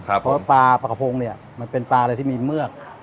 เพราะว่าปลาปลากระพงเนี่ยมันเป็นปลาอะไรที่มีเมือก